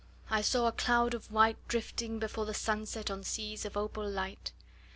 . I saw a cloud of white Drifting before the sunset On seas of opal light.